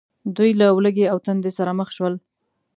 دوی له ولږې او تندې سره مخ شول.